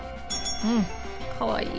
うんかわいい！